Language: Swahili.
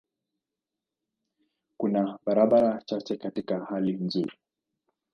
Kuna barabara chache katika hali nzuri.